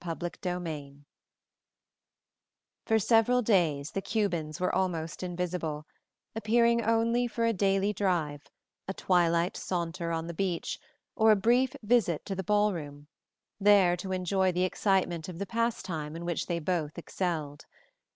Chapter III For several days the Cubans were almost invisible, appearing only for a daily drive, a twilight saunter on the beach, or a brief visit to the ballroom, there to enjoy the excitement of the pastime in which they both excelled.